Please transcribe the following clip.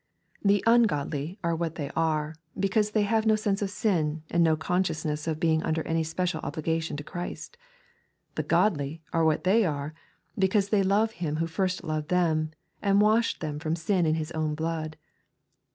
The ungodly are what they are, because they have no sense of sin, and no consciousness of being under any special obligation to Christ. The godly are what they are, because they love Him who first loved them, and washed them from sin in His own blood.